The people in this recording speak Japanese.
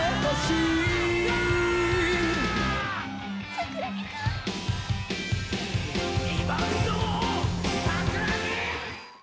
桜木花道：リバウンド王、桜木！